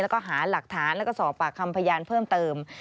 แล้วก็หาหลักฐานแล้วก็สอบปากคำพยานเพิ่มเติม